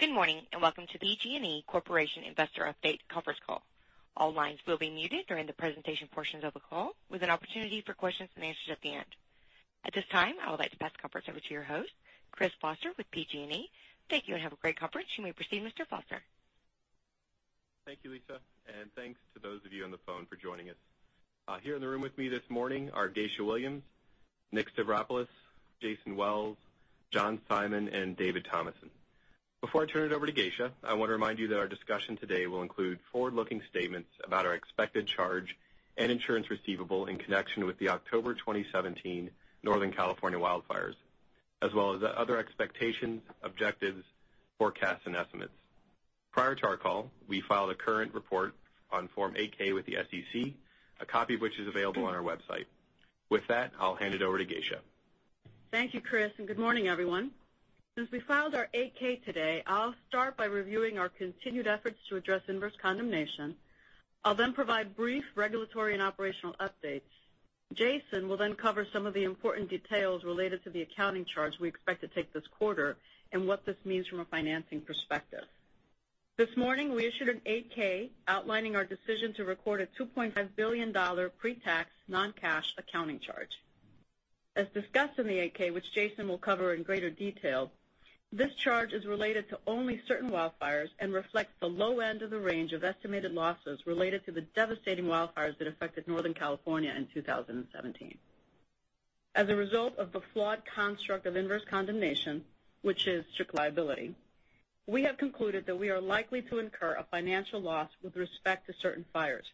Good morning. Welcome to the PG&E Corporation Investor Update conference call. All lines will be muted during the presentation portions of the call, with an opportunity for questions and answers at the end. At this time, I would like to pass the conference over to your host, Chris Foster with PG&E. Thank you. Have a great conference. You may proceed, Mr. Foster. Thank you, Lisa. Thanks to those of you on the phone for joining us. Here in the room with me this morning are Geisha Williams, Nick Stavropoulos, Jason Wells, John Simon, and David Thomason. Before I turn it over to Geisha, I want to remind you that our discussion today will include forward-looking statements about our expected charge and insurance receivable in connection with the October 2017 Northern California wildfires, as well as other expectations, objectives, forecasts, and estimates. Prior to our call, we filed a current report on Form 8-K with the SEC, a copy of which is available on our website. With that, I'll hand it over to Geisha. Thank you, Chris. Good morning, everyone. Since we filed our 8-K today, I'll start by reviewing our continued efforts to address inverse condemnation. I'll provide brief regulatory and operational updates. Jason will cover some of the important details related to the accounting charge we expect to take this quarter, and what this means from a financing perspective. This morning, we issued an 8-K outlining our decision to record a $2.5 billion pre-tax non-cash accounting charge. As discussed in the 8-K, which Jason will cover in greater detail, this charge is related to only certain wildfires and reflects the low end of the range of estimated losses related to the devastating wildfires that affected Northern California in 2017. As a result of the flawed construct of inverse condemnation, which is strict liability, we have concluded that we are likely to incur a financial loss with respect to certain fires.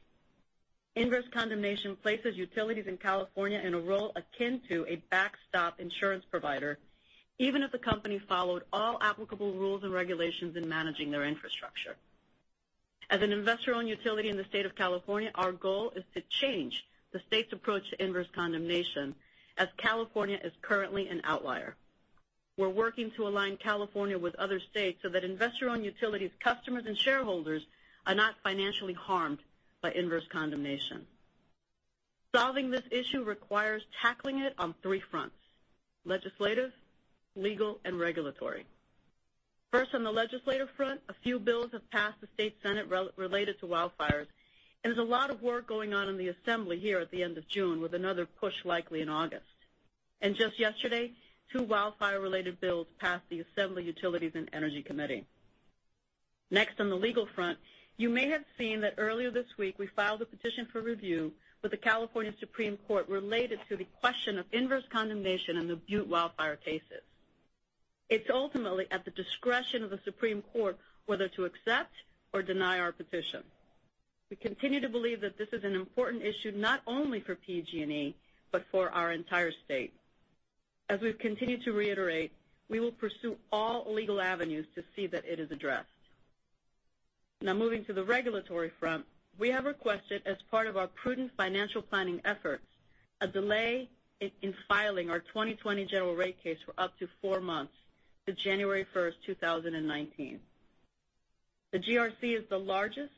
Inverse condemnation places utilities in California in a role akin to a backstop insurance provider, even if the company followed all applicable rules and regulations in managing their infrastructure. As an investor-owned utility in the state of California, our goal is to change the state's approach to inverse condemnation, as California is currently an outlier. We're working to align California with other states so that investor-owned utilities' customers and shareholders are not financially harmed by inverse condemnation. Solving this issue requires tackling it on three fronts: legislative, legal, and regulatory. First, on the legislative front, a few bills have passed the State Senate related to wildfires. There's a lot of work going on in the Assembly here at the end of June, with another push likely in August. Just yesterday, two wildfire-related bills passed the Assembly Committee on Utilities and Energy. Next, on the legal front, you may have seen that earlier this week we filed a petition for review with the California Supreme Court related to the question of inverse condemnation in the Butte Wildfire cases. It's ultimately at the discretion of the Supreme Court whether to accept or deny our petition. We continue to believe that this is an important issue not only for PG&E, but for our entire state. As we've continued to reiterate, we will pursue all legal avenues to see that it is addressed. Moving to the regulatory front, we have requested, as part of our prudent financial planning efforts, a delay in filing our 2020 general rate case for up to four months to January 1st, 2019. The GRC is the largest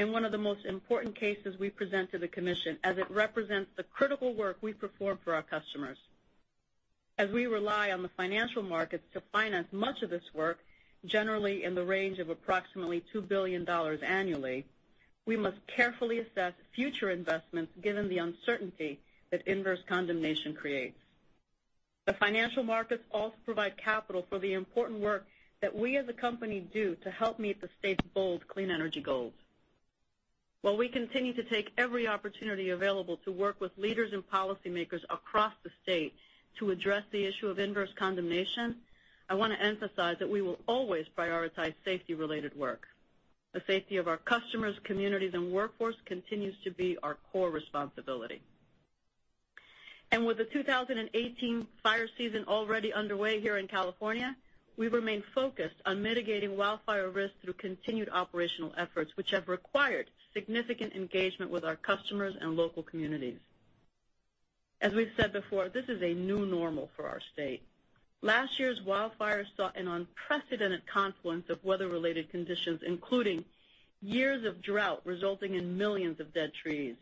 and one of the most important cases we present to the commission, as it represents the critical work we perform for our customers. We rely on the financial markets to finance much of this work, generally in the range of approximately $2 billion annually, we must carefully assess future investments given the uncertainty that inverse condemnation creates. The financial markets also provide capital for the important work that we as a company do to help meet the state's bold clean energy goals. While we continue to take every opportunity available to work with leaders and policymakers across the state to address the issue of inverse condemnation, I want to emphasize that we will always prioritize safety-related work. The safety of our customers, communities, and workforce continues to be our core responsibility. With the 2018 fire season already underway here in California, we remain focused on mitigating wildfire risk through continued operational efforts, which have required significant engagement with our customers and local communities. We've said before, this is a new normal for our state. Last year's wildfires saw an unprecedented confluence of weather-related conditions, including years of drought resulting in millions of dead trees,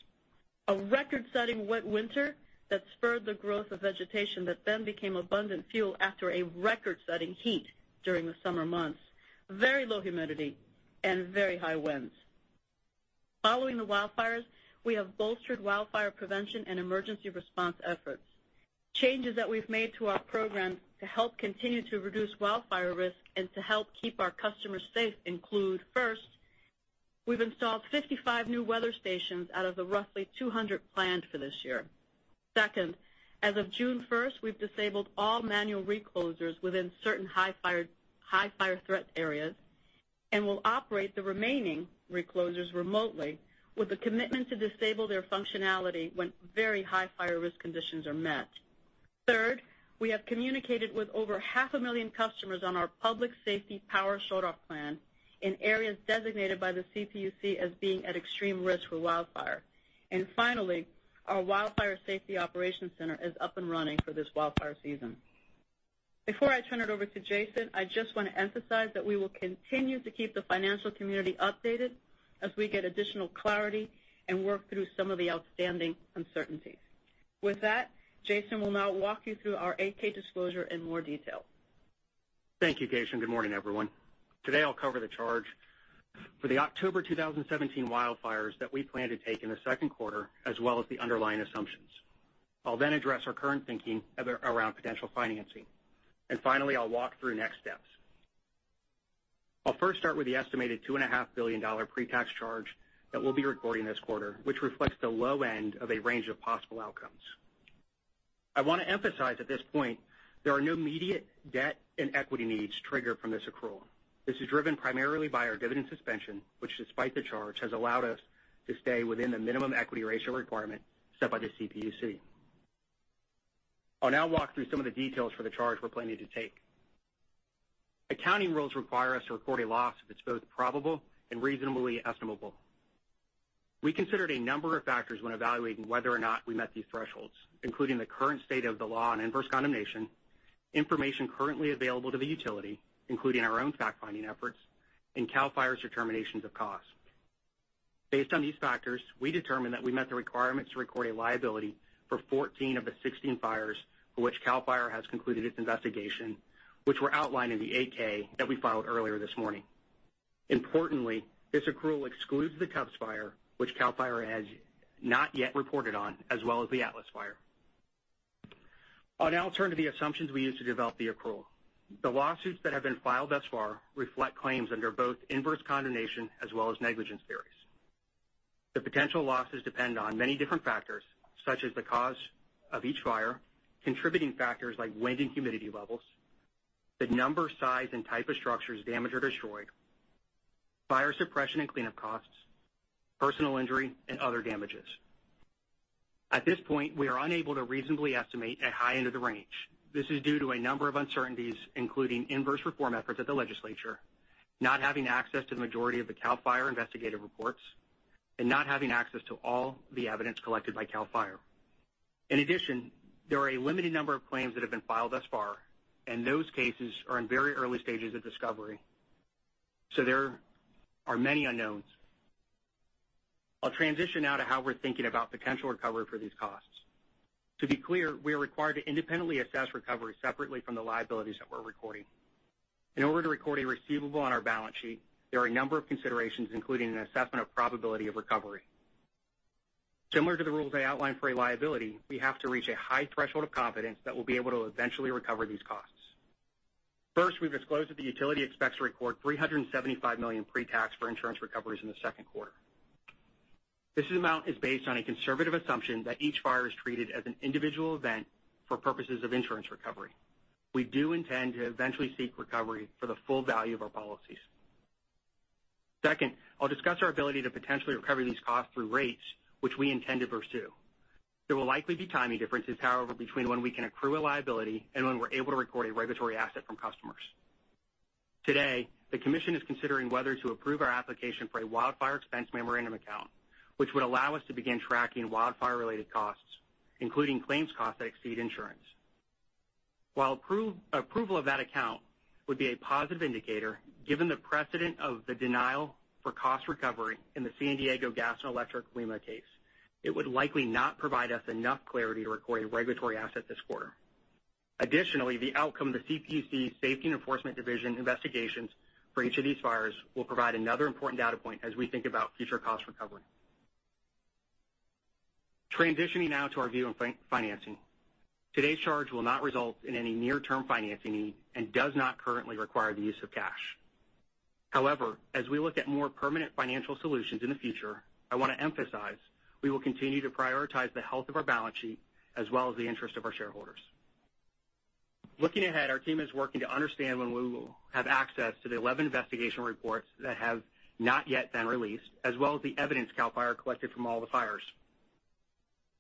a record-setting wet winter that spurred the growth of vegetation that then became abundant fuel after a record-setting heat during the summer months, very low humidity, and very high winds. Following the wildfires, we have bolstered wildfire prevention and emergency response efforts. Changes that we've made to our programs to help continue to reduce wildfire risk and to help keep our customers safe include, first, we've installed 55 new weather stations out of the roughly 200 planned for this year. Second, as of June 1st, we've disabled all manual reclosers within certain high fire threat areas and will operate the remaining reclosers remotely with a commitment to disable their functionality when very high fire risk conditions are met. Third, we have communicated with over half a million customers on our Public Safety Power Shutoff plan in areas designated by the CPUC as being at extreme risk for wildfire. Finally, our wildfire safety operations center is up and running for this wildfire season. Before I turn it over to Jason, I just want to emphasize that we will continue to keep the financial community updated as we get additional clarity and work through some of the outstanding uncertainties. Jason will now walk you through our 8-K disclosure in more detail. Thank you, Geisha. Good morning, everyone. Today, I'll cover the charge for the October 2017 wildfires that we plan to take in the second quarter, as well as the underlying assumptions. I'll then address our current thinking around potential financing, and finally, I'll walk through next steps. I'll first start with the estimated $2.5 billion pre-tax charge that we'll be recording this quarter, which reflects the low end of a range of possible outcomes. I want to emphasize at this point, there are no immediate debt and equity needs triggered from this accrual. This is driven primarily by our dividend suspension, which despite the charge, has allowed us to stay within the minimum equity ratio requirement set by the CPUC. I'll now walk through some of the details for the charge we're planning to take. Accounting rules require us to record a loss if it's both probable and reasonably estimable. We considered a number of factors when evaluating whether or not we met these thresholds, including the current state of the law on inverse condemnation, information currently available to the utility, including our own fact-finding efforts, and CAL FIRE's determinations of cause. Based on these factors, we determined that we met the requirements to record a liability for 14 of the 16 fires for which CAL FIRE has concluded its investigation, which were outlined in the 8-K that we filed earlier this morning. This accrual excludes the Tubbs Fire, which CAL FIRE has not yet reported on, as well as the Atlas Fire. I'll now turn to the assumptions we used to develop the accrual. The lawsuits that have been filed thus far reflect claims under both inverse condemnation as well as negligence theories. The potential losses depend on many different factors, such as the cause of each fire, contributing factors like wind and humidity levels, the number, size, and type of structures damaged or destroyed, fire suppression and cleanup costs, personal injury, and other damages. At this point, we are unable to reasonably estimate a high end of the range. This is due to a number of uncertainties, including inverse reform efforts at the legislature, not having access to the majority of the CAL FIRE investigative reports, and not having access to all the evidence collected by CAL FIRE. In addition, there are a limited number of claims that have been filed thus far, and those cases are in very early stages of discovery. There are many unknowns. I'll transition now to how we're thinking about potential recovery for these costs. To be clear, we are required to independently assess recovery separately from the liabilities that we're recording. In order to record a receivable on our balance sheet, there are a number of considerations, including an assessment of probability of recovery. Similar to the rules I outlined for a liability, we have to reach a high threshold of confidence that we'll be able to eventually recover these costs. First, we've disclosed that the utility expects to record $375 million pre-tax for insurance recoveries in the second quarter. This amount is based on a conservative assumption that each fire is treated as an individual event for purposes of insurance recovery. We do intend to eventually seek recovery for the full value of our policies. Second, I'll discuss our ability to potentially recover these costs through rates, which we intend to pursue. There will likely be timing differences, however, between when we can accrue a liability and when we're able to record a regulatory asset from customers. Today, the commission is considering whether to approve our application for a Wildfire Expense Memorandum Account, which would allow us to begin tracking wildfire-related costs, including claims costs that exceed insurance. While approval of that account would be a positive indicator, given the precedent of the denial for cost recovery in the San Diego Gas & Electric WEMA case, it would likely not provide us enough clarity to record a regulatory asset this quarter. Additionally, the outcome of the CPUC Safety and Enforcement Division investigations for each of these fires will provide another important data point as we think about future cost recovery. Transitioning now to our view on financing. Today's charge will not result in any near-term financing need and does not currently require the use of cash. However, as we look at more permanent financial solutions in the future, I want to emphasize we will continue to prioritize the health of our balance sheet as well as the interest of our shareholders. Looking ahead, our team is working to understand when we will have access to the 11 investigation reports that have not yet been released, as well as the evidence CAL FIRE collected from all the fires.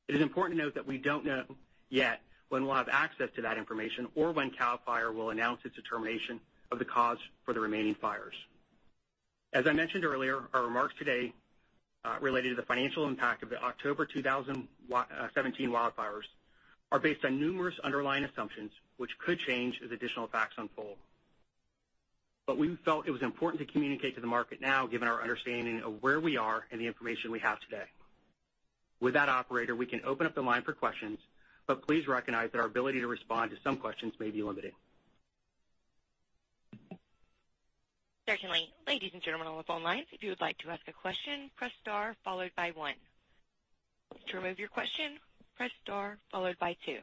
It is important to note that we don't know yet when we'll have access to that information or when CAL FIRE will announce its determination of the cause for the remaining fires. As I mentioned earlier, our remarks today related to the financial impact of the October 2017 wildfires are based on numerous underlying assumptions which could change as additional facts unfold. We felt it was important to communicate to the market now, given our understanding of where we are and the information we have today. With that, operator, we can open up the line for questions, but please recognize that our ability to respond to some questions may be limited. Certainly. Ladies and gentlemen on the phone lines, if you would like to ask a question, press star followed by one. To remove your question, press star followed by two.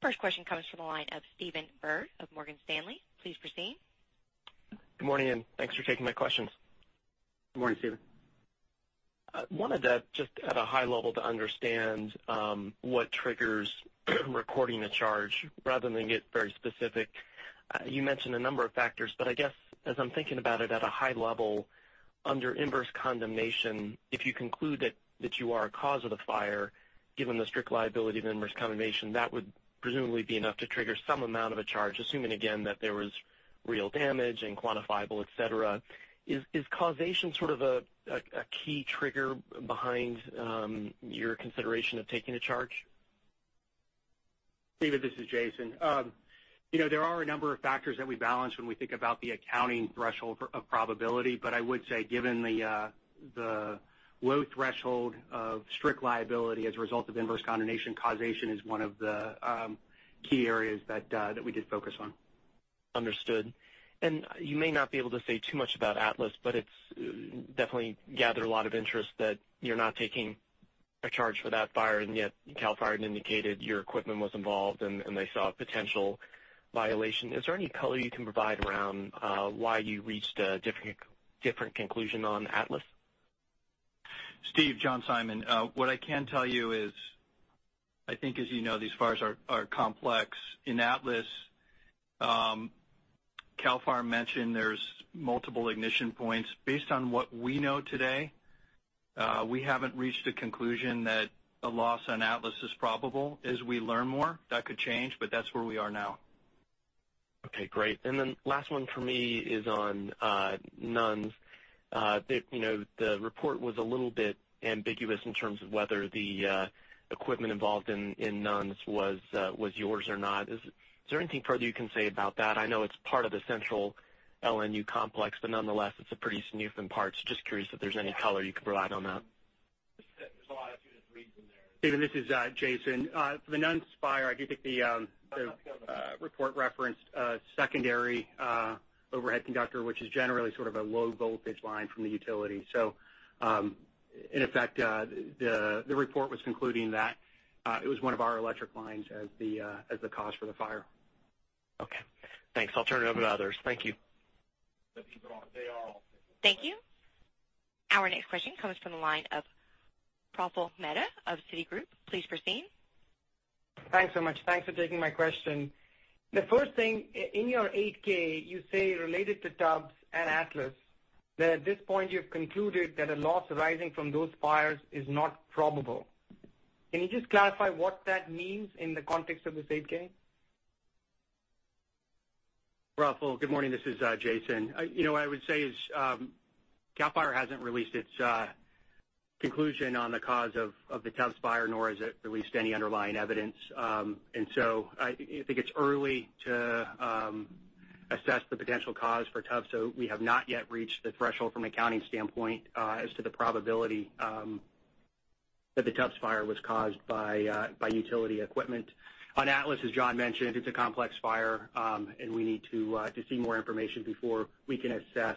First question comes from the line of Stephen Byrd of Morgan Stanley. Please proceed. Good morning, thanks for taking my questions. Good morning, Stephen. I wanted to, just at a high level, to understand what triggers recording a charge rather than get very specific. You mentioned a number of factors, but I guess as I'm thinking about it at a high level, under inverse condemnation, if you conclude that you are a cause of the fire, given the strict liability of the inverse condemnation, that would presumably be enough to trigger some amount of a charge, assuming, again, that there was real damage and quantifiable, et cetera. Is causation sort of a key trigger behind your consideration of taking a charge? David, this is Jason. There are a number of factors that we balance when we think about the accounting threshold of probability. I would say, given the low threshold of strict liability as a result of inverse condemnation, causation is one of the key areas that we did focus on. Understood. You may not be able to say too much about Atlas, but it's definitely gathered a lot of interest that you're not taking a charge for that fire, and yet CAL FIRE had indicated your equipment was involved and they saw a potential violation. Is there any color you can provide around why you reached a different conclusion on Atlas? Steve, John Simon. What I can tell you is, I think as you know, these fires are complex. In Atlas, CAL FIRE mentioned there's multiple ignition points. Based on what we know today, we haven't reached a conclusion that a loss on Atlas is probable. As we learn more, that could change, that's where we are now. Okay, great. Last one for me is on Nuns. The report was a little bit ambiguous in terms of whether the equipment involved in Nuns was yours or not. Is there anything further you can say about that? I know it's part of the central LNU Complex, but nonetheless, it's pretty significant in parts. Just curious if there's any color you could provide on that. David, this is Jason. For the Nuns Fire, I do think the report referenced a secondary overhead conductor, which is generally sort of a low voltage line from the utility. In effect, the report was concluding that it was one of our electric lines as the cause for the fire. Okay. Thanks. I'll turn it over to others. Thank you. Thank you. Our next question comes from the line of Praful Mehta of Citigroup. Please proceed. Thanks so much. Thanks for taking my question. The first thing, in your 8-K, you say related to Tubbs and Atlas, that at this point you've concluded that a loss arising from those fires is not probable. Can you just clarify what that means in the context of this 8-K? Praful, good morning, this is Jason. What I would say is, CAL FIRE hasn't released its conclusion on the cause of the Tubbs Fire, nor has it released any underlying evidence. I think it's early to assess the potential cause for Tubbs, we have not yet reached the threshold from an accounting standpoint as to the probability that the Tubbs Fire was caused by utility equipment. On Atlas, as John mentioned, it's a complex fire, we need to see more information before we can assess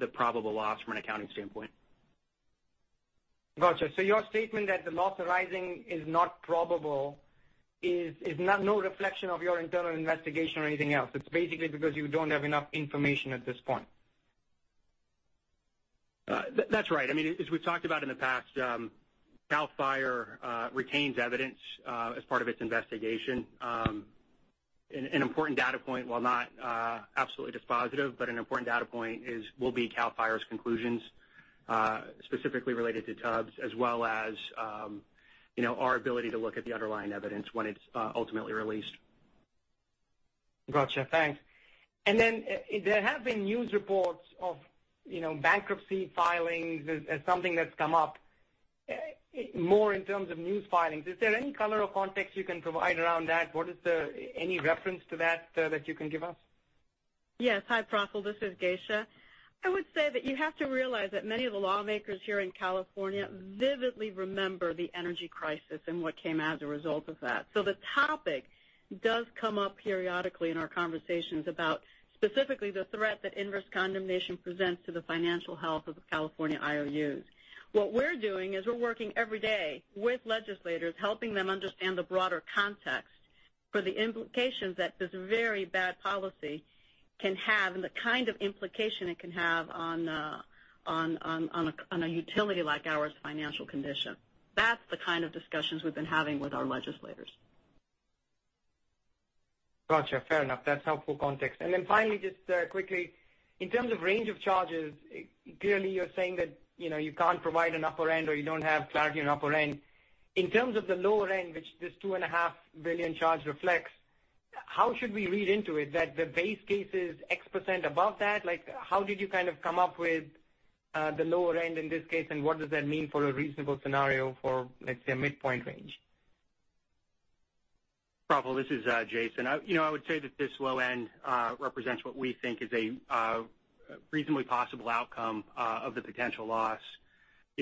the probable loss from an accounting standpoint. Gotcha. Your statement that the loss arising is not probable is no reflection of your internal investigation or anything else. It's basically because you don't have enough information at this point. That's right. As we've talked about in the past, CAL FIRE retains evidence as part of its investigation. An important data point, while not absolutely dispositive, an important data point will be CAL FIRE's conclusions, specifically related to Tubbs, as well as our ability to look at the underlying evidence when it's ultimately released. Gotcha, thanks. There have been news reports of bankruptcy filings as something that's come up more in terms of news filings. Is there any color or context you can provide around that? Any reference to that that you can give us? Yes. Hi, Praful. This is Geisha. I would say that you have to realize that many of the lawmakers here in California vividly remember the energy crisis and what came as a result of that. The topic does come up periodically in our conversations about specifically the threat that inverse condemnation presents to the financial health of the California IOUs. What we're doing is we're working every day with legislators, helping them understand the broader context for the implications that this very bad policy can have and the kind of implication it can have on a utility like ours' financial condition. That's the kind of discussions we've been having with our legislators. Gotcha. Fair enough. That's helpful context. Finally, just quickly, in terms of range of charges, clearly you're saying that you can't provide an upper end or you don't have clarity on upper end. In terms of the lower end, which this $2.5 billion charge reflects, how should we read into it that the base case is X% above that? How did you come up with the lower end in this case, and what does that mean for a reasonable scenario for, let's say, a midpoint range? Praful, this is Jason. I would say that this low end represents what we think is a reasonably possible outcome of the potential loss.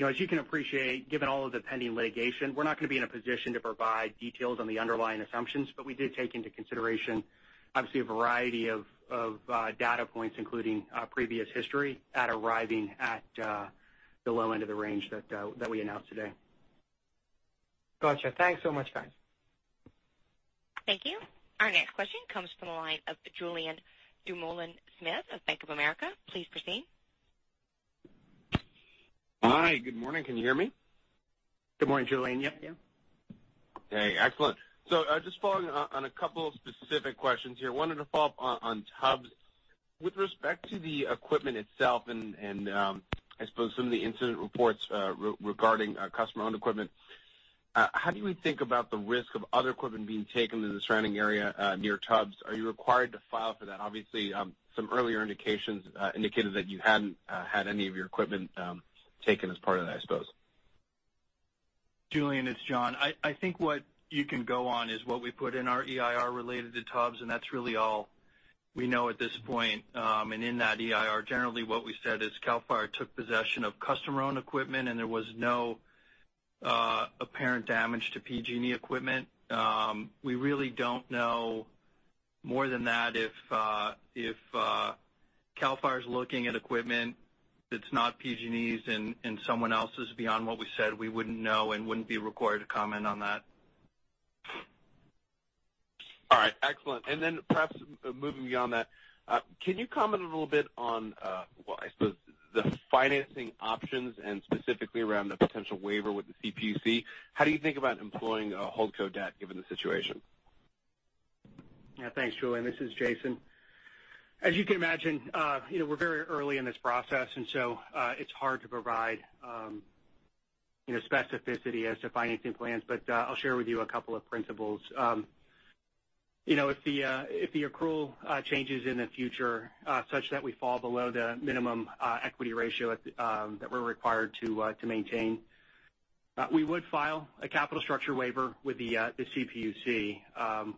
As you can appreciate, given all of the pending litigation, we're not going to be in a position to provide details on the underlying assumptions, but we did take into consideration, obviously, a variety of data points, including previous history at arriving at the low end of the range that we announced today. Gotcha. Thanks so much, guys. Thank you. Our next question comes from the line of Julien Dumoulin-Smith of Bank of America. Please proceed. Hi. Good morning. Can you hear me? Good morning, Julien. Yep. Yeah. Okay. Excellent. Just following on a couple of specific questions here. Wanted to follow up on Tubbs. With respect to the equipment itself and I suppose some of the incident reports regarding customer-owned equipment, how do we think about the risk of other equipment being taken to the surrounding area near Tubbs? Are you required to file for that? Obviously, some earlier indications indicated that you hadn't had any of your equipment taken as part of that, I suppose. Julien, it's John. I think what you can go on is what we put in our EIR related to Tubbs, and that's really all we know at this point. In that EIR, generally what we said is CAL FIRE took possession of customer-owned equipment, and there was no apparent damage to PG&E equipment. We really don't know more than that. If CAL FIRE is looking at equipment that's not PG&E's and someone else's beyond what we said, we wouldn't know and wouldn't be required to comment on that. All right, excellent. Then perhaps moving beyond that, can you comment a little bit on, well, I suppose the financing options and specifically around the potential waiver with the CPUC? How do you think about employing holdco debt given the situation? Yeah. Thanks, Julien. This is Jason. As you can imagine, we're very early in this process, it's hard to provide specificity as to financing plans. I'll share with you a couple of principles. If the accrual changes in the future such that we fall below the minimum equity ratio that we're required to maintain, we would file a capital structure waiver with the CPUC.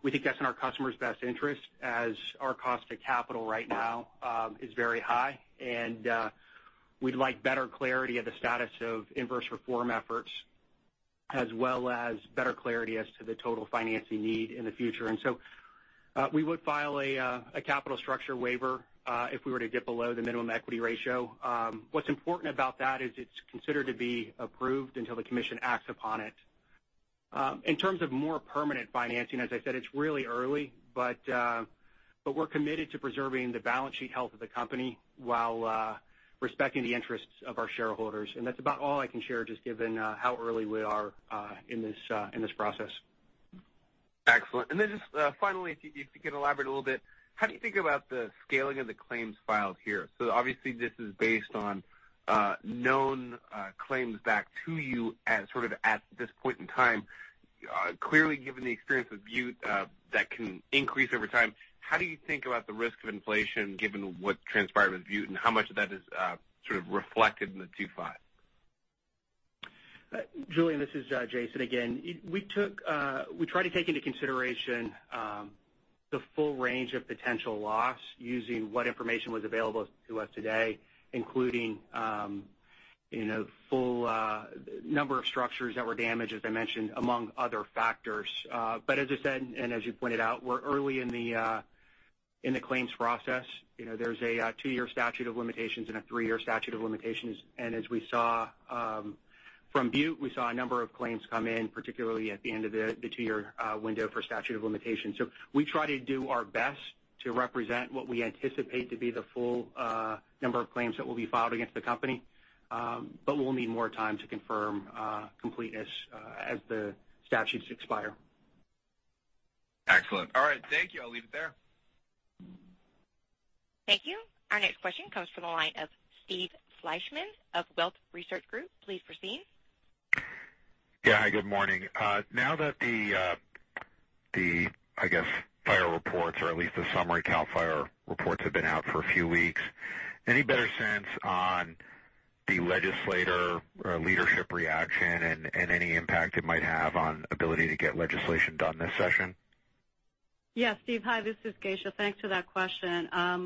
We think that's in our customers' best interest as our cost to capital right now is very high, and we'd like better clarity of the status of inverse reform efforts, as well as better clarity as to the total financing need in the future. We would file a capital structure waiver if we were to get below the minimum equity ratio. What's important about that is it's considered to be approved until the commission acts upon it. In terms of more permanent financing, as I said, it's really early, but we're committed to preserving the balance sheet health of the company while respecting the interests of our shareholders. That's about all I can share, just given how early we are in this process. Excellent. Then just finally, if you could elaborate a little bit, how do you think about the scaling of the claims filed here? Obviously, this is based on known claims back to you sort of at this point in time. Clearly, given the experience with Butte, that can increase over time. How do you think about the risk of inflation given what transpired with Butte and how much of that is sort of reflected in the $2.5 billion? Julien, this is Jason again. We try to take into consideration the full range of potential loss using what information was available to us today, including full number of structures that were damaged, as I mentioned, among other factors. As I said, and as you pointed out, we're early in the claims process. There's a two-year statute of limitations and a three-year statute of limitations. As we saw from Butte, we saw a number of claims come in, particularly at the end of the two-year window for statute of limitations. We try to do our best to represent what we anticipate to be the full number of claims that will be filed against the company. We'll need more time to confirm completeness as the statutes expire. Excellent. All right. Thank you. I'll leave it there. Thank you. Our next question comes from the line of Steve Fleishman of Wolfe Research. Please proceed. Yeah. Hi, good morning. Now that the, I guess, fire reports or at least the summary CAL FIRE reports have been out for a few weeks, any better sense on the legislator or leadership reaction and any impact it might have on ability to get legislation done this session? Yeah. Steve, hi. This is Geisha. Thanks for that question. I'll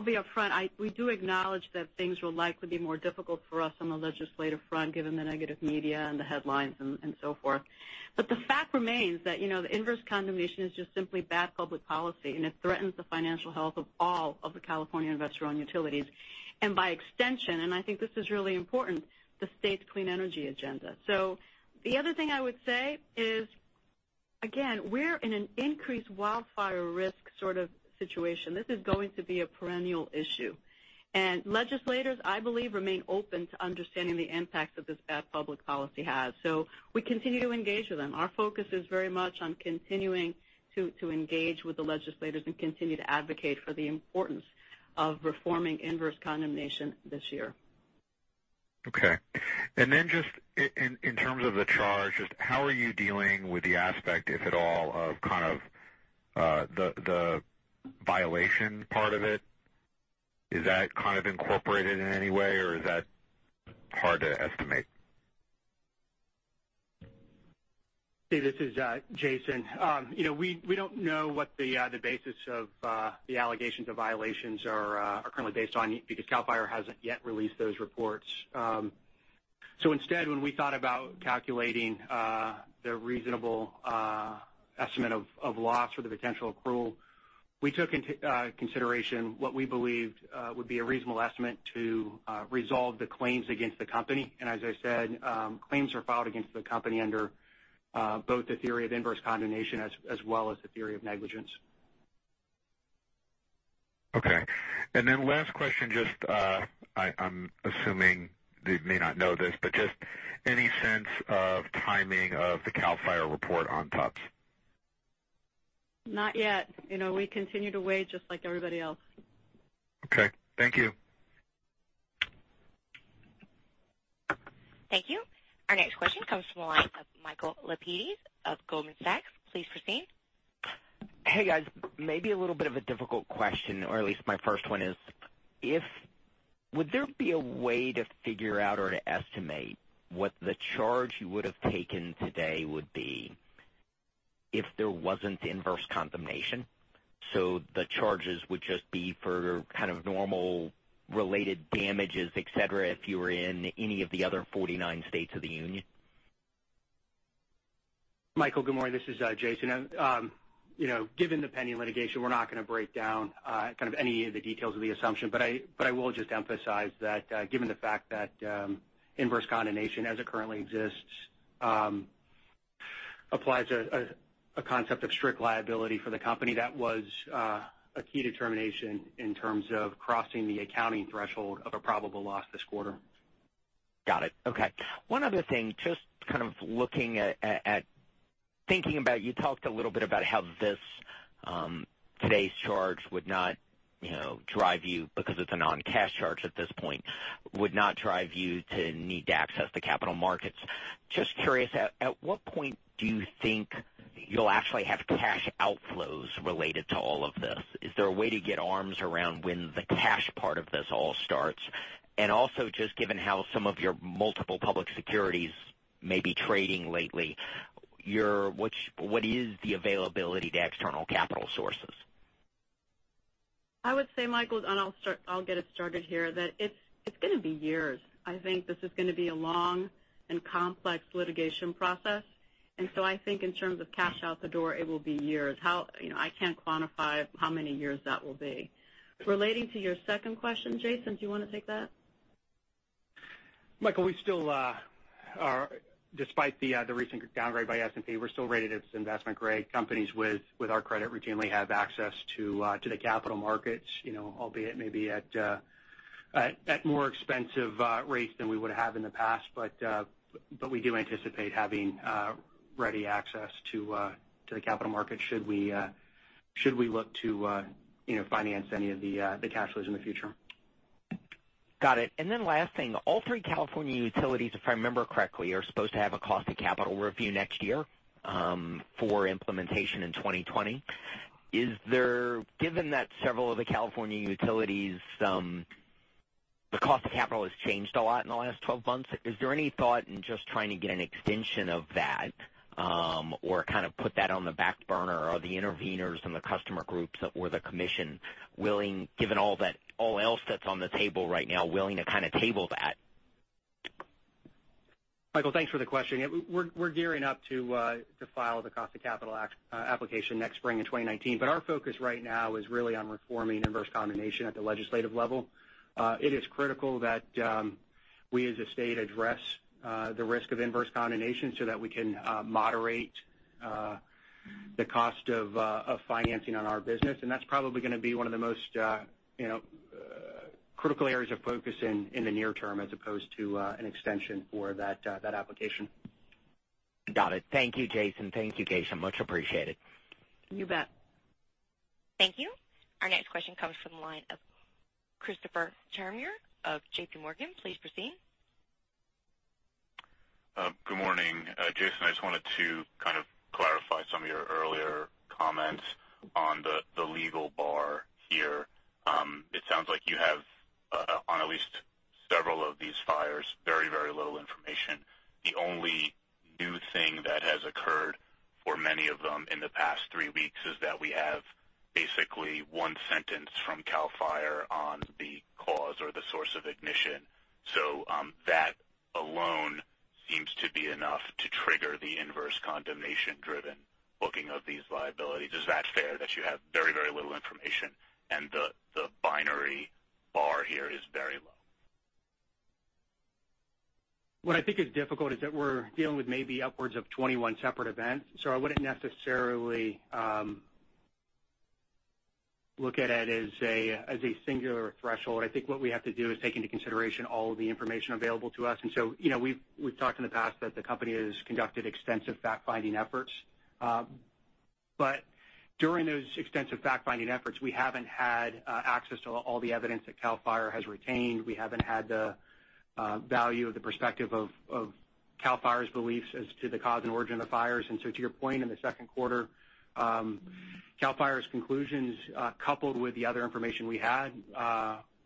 be upfront. We do acknowledge that things will likely be more difficult for us on the legislative front given the negative media and the headlines and so forth. The fact remains that the inverse condemnation is just simply bad public policy, and it threatens the financial health of all of the California investor-owned utilities, and by extension, and I think this is really important, the state's clean energy agenda. The other thing I would say is, again, we're in an increased wildfire risk sort of situation. This is going to be a perennial issue. Legislators, I believe, remain open to understanding the impacts that this bad public policy has. We continue to engage with them. Our focus is very much on continuing to engage with the legislators and continue to advocate for the importance of reforming inverse condemnation this year. Okay. Just in terms of the charge, just how are you dealing with the aspect, if at all, of kind of the violation part of it? Is that kind of incorporated in any way, or is that hard to estimate? Steve, this is Jason. We don't know what the basis of the allegations of violations are currently based on because CAL FIRE hasn't yet released those reports. Instead, when we thought about calculating the reasonable estimate of loss or the potential accrual, we took into consideration what we believed would be a reasonable estimate to resolve the claims against the company. As I said, claims are filed against the company under both the theory of inverse condemnation as well as the theory of negligence. Okay. Last question, just, I'm assuming you may not know this, but just any sense of timing of the CAL FIRE report on Tubbs? Not yet. We continue to wait just like everybody else. Okay. Thank you. Thank you. Our next question comes from the line of Michael Lapides of Goldman Sachs. Please proceed. Hey guys, maybe a little bit of a difficult question, or at least my first one is, would there be a way to figure out or to estimate what the charge you would have taken today would be if there wasn't inverse condemnation? The charges would just be for kind of normal related damages, et cetera, if you were in any of the other 49 states of the union. Michael, good morning. This is Jason. Given the pending litigation, we're not going to break down any of the details of the assumption. I will just emphasize that given the fact that inverse condemnation as it currently exists applies a concept of strict liability for the company, that was a key determination in terms of crossing the accounting threshold of a probable loss this quarter. Got it. Okay. One other thing, just thinking about, you talked a little bit about how today's charge would not drive you, because it's a non-cash charge at this point, would not drive you to need to access the capital markets. Just curious, at what point do you think you'll actually have cash outflows related to all of this? Is there a way to get arms around when the cash part of this all starts? Just given how some of your multiple public securities may be trading lately, what is the availability to external capital sources? I would say, Michael, I'll get us started here, that it's going to be years. I think this is going to be a long and complex litigation process. I think in terms of cash out the door, it will be years. I can't quantify how many years that will be. Relating to your second question, Jason, do you want to take that? Michael, despite the recent downgrade by S&P, we're still rated as investment grade. Companies with our credit routinely have access to the capital markets, albeit maybe at more expensive rates than we would have in the past. We do anticipate having ready access to the capital markets should we look to finance any of the cash flows in the future. Got it. Last thing. All three California utilities, if I remember correctly, are supposed to have a cost of capital review next year for implementation in 2020. Given that several of the California utilities, the cost of capital has changed a lot in the last 12 months, is there any thought in just trying to get an extension of that or kind of put that on the back burner? Are the interveners and the customer groups or the commission, given all else that's on the table right now, willing to kind of table that? Michael, thanks for the question. We're gearing up to file the cost of capital application next spring in 2019. Our focus right now is really on reforming inverse condemnation at the legislative level. It is critical that we as a state address the risk of inverse condemnation so that we can moderate the cost of financing on our business, that's probably going to be one of the most critical areas of focus in the near term as opposed to an extension for that application. Got it. Thank you, Jason. Thank you, Geisha. Much appreciated. You bet. Thank you. Our next question comes from the line of Christopher Turnure of JPMorgan. Please proceed. Good morning. Jason, I just wanted to kind of clarify some of your earlier comments on the legal bar here. It sounds like you have, on at least several of these fires, very, very little information. The only new thing that has occurred for many of them in the past three weeks is that we have basically one sentence from CAL FIRE on the cause or the source of ignition. That alone seems to be enough to trigger the inverse condemnation-driven booking of these liabilities. Is that fair that you have very, very little information and the binary bar here is very low? What I think is difficult is that we're dealing with maybe upwards of 21 separate events. I wouldn't necessarily look at it as a singular threshold. I think what we have to do is take into consideration all of the information available to us. We've talked in the past that the company has conducted extensive fact-finding efforts. But during those extensive fact-finding efforts, we haven't had access to all the evidence that CAL FIRE has retained. We haven't had the value of the perspective of CAL FIRE's beliefs as to the cause and origin of fires. To your point, in the second quarter, CAL FIRE's conclusions, coupled with the other information we had,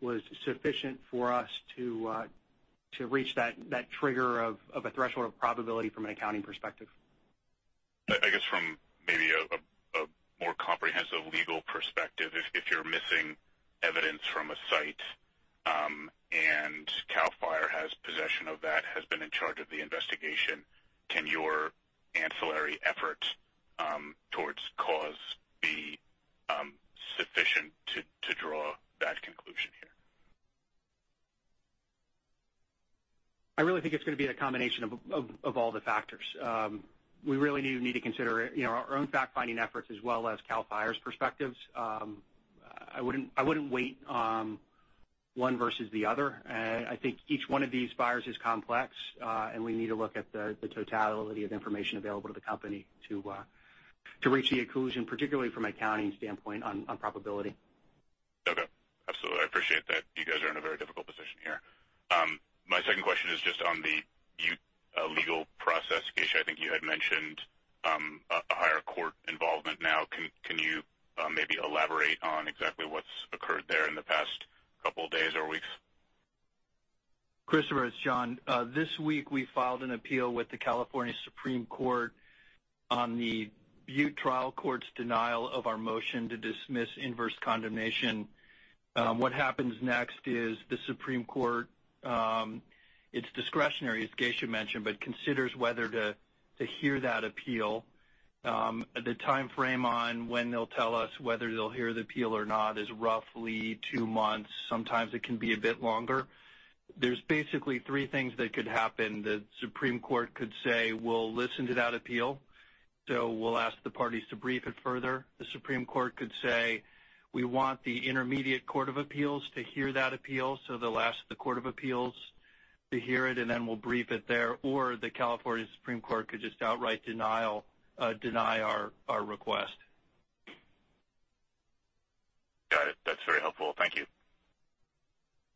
was sufficient for us to reach that trigger of a threshold of probability from an accounting perspective. I guess from maybe a more comprehensive legal perspective, if you're missing evidence from a site, and CAL FIRE has possession of that, has been in charge of the investigation, can your ancillary effort towards cause be sufficient to draw that conclusion here? I really think it's going to be a combination of all the factors. We really need to consider our own fact-finding efforts as well as CAL FIRE's perspectives. I wouldn't weight one versus the other. I think each one of these fires is complex, and we need to look at the totality of information available to the company to reach the conclusion, particularly from an accounting standpoint on probability. Okay. Absolutely. I appreciate that. You guys are in a very difficult position here. My second question is just on the Butte legal process. Geisha, I think you had mentioned a higher court involvement now. Can you maybe elaborate on exactly what's occurred there in the past couple of days or weeks? Christopher, it's John. This week, we filed an appeal with the California Supreme Court on the Butte trial court's denial of our motion to dismiss inverse condemnation. What happens next is the Supreme Court, it's discretionary, as Geisha mentioned, but considers whether to hear that appeal. The timeframe on when they'll tell us whether they'll hear the appeal or not is roughly two months. Sometimes it can be a bit longer. There's basically three things that could happen. The Supreme Court could say, "We'll listen to that appeal, so we'll ask the parties to brief it further." The Supreme Court could say, "We want the Intermediate Court of Appeals to hear that appeal," so they'll ask the Court of Appeals to hear it, and then we'll brief it there. The California Supreme Court could just outright deny our request. Got it. That's very helpful. Thank you.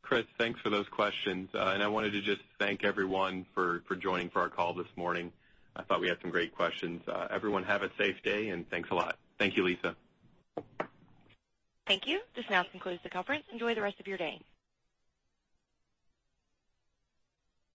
Chris, thanks for those questions. I wanted to just thank everyone for joining for our call this morning. I thought we had some great questions. Everyone have a safe day, and thanks a lot. Thank you, Lisa. Thank you. This now concludes the conference. Enjoy the rest of your day.